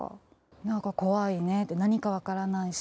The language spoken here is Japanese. なんか、怖いねって、何か分からないし。